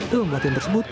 dalam latihan tersebut